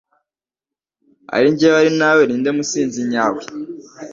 Ari njyewe Ari nawe Ninde musinzi nyawe